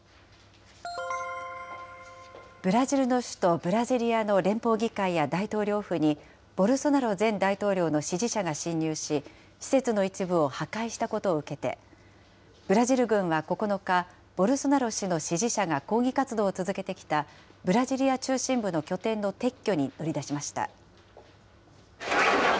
ブラジルの首都ブラジリアの連邦議会や、大統領府に、ボルソナロ前大統領の支持者が侵入し、施設の一部を破壊したことを受けて、ブラジル軍は９日、ボルソナロ氏の支持者が抗議活動を続けてきたブラジリア中心部の拠点の撤去に乗り出しました。